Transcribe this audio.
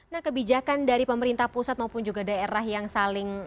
nah kebijakan dari pemerintah pusat maupun juga daerah yang saling